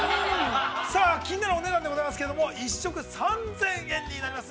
さあ、気になるお値段でございますけれども１食３０００円になります。